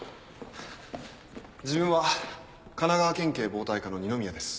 自分は神奈川県警暴対課の二宮です。